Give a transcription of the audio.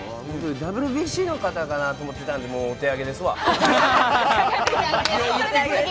ＷＢＣの方かなって思ってたんで、もうお手上げですわ。